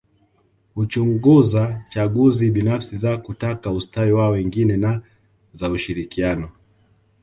Huchunguza chaguzi binafsi za kutaka ustawi wa wengine na za ushirikiano